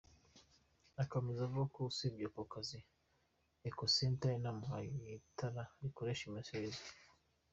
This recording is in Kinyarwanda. Akomeza avuga ko usibye ako kazi, Ekocenter yanamuhaye itara rikoresha imirasire y’izuba.